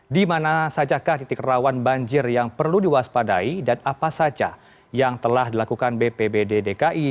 di mana sajakah titik rawan banjir yang perlu diwaspadai dan apa saja yang telah dilakukan bpbd dki